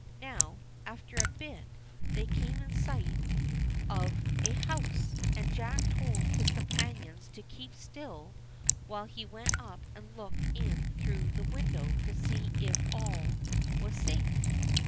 Now, after a bit, they came in sight of a house, and Jack told his companions to keep still while he went up and looked in through the window to see if all was safe.